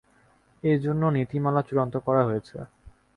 এ জন্য নীতিমালা চূড়ান্ত করা হয়েছে।